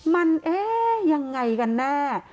มันยังไงกันแน่